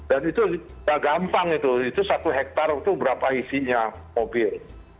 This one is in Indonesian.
dan itu gak gampang itu itu satu hektar itu berapa isinya mobil